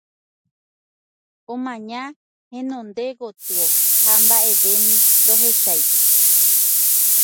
Omaña henonde gotyo, ha mba'eve ndohechái.